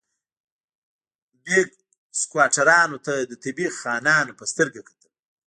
بیګ سکواټورانو ته د طبیعي خانانو په سترګه کتل.